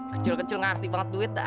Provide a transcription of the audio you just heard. kecil kecil ngerti banget duit dah